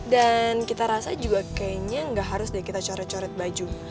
dan kita rasa juga kayaknya gak harus deh kita coret coret baju